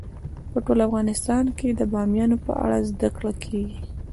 په ټول افغانستان کې د بامیان په اړه زده کړه کېږي.